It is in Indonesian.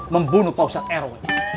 membunuh pak ustadz r w